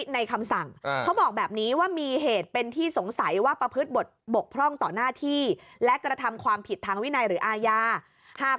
นี่ไงพี่เบิร์ตเขาถึงระบุเอาไว้ในคำสั่ง